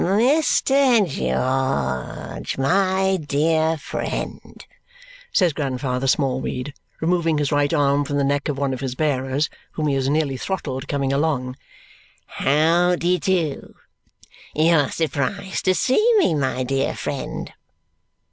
"Mr. George, my dear friend," says Grandfather Smallweed, removing his right arm from the neck of one of his bearers, whom he has nearly throttled coming along, "how de do? You're surprised to see me, my dear friend."